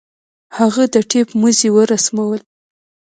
هغه د ټېپ مزي ورسمول.